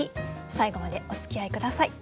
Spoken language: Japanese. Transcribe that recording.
最後までおつきあい下さい。